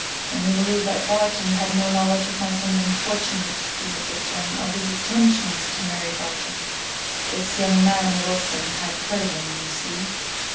"Then you believe that Barton had no knowledge of my son's unfortunate, " he looked at Jem, "of his attentions to Mary Barton. This young man, Wilson, had heard of them, you see."